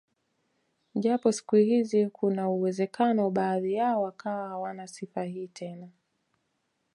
Japo siku hizi kuna uwezekano baadhi yao wakawa hawana sifa hii tena